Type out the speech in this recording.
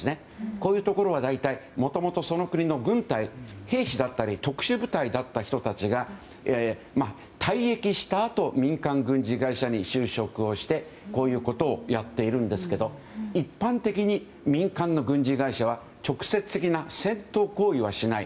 こういうところは大体もともとその国の軍隊、兵士だったり特殊部隊だった人たちが退役したあと民間軍事会社に就職をしてこういうことをやっているんですが一般的に民間の軍事会社は直接的な戦闘行為はしない。